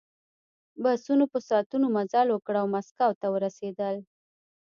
بسونو په ساعتونو مزل وکړ او مسکو ته ورسېدل